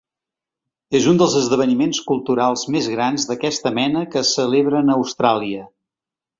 És un dels esdeveniments culturals més grans d'aquesta mena que es celebren a Austràlia.